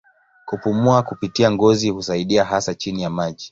Kupumua kupitia ngozi husaidia hasa chini ya maji.